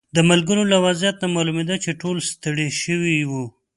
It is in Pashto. د ملګرو له وضعیت نه معلومېده چې ټول ستړي شوي وو.